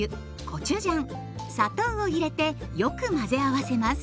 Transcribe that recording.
コチュジャン砂糖を入れてよく混ぜ合わせます。